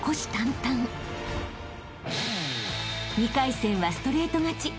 ［２回戦はストレート勝ち］